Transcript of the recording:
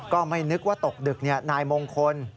ก็ไม่นึกว่าตกดึกนายมงคล